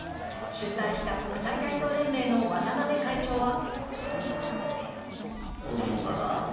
主催した国際体操連盟の渡辺会長は。